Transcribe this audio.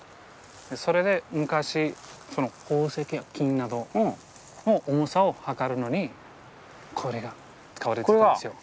それで昔宝石や金などの重さを量るのにこれが使われてたんですよ。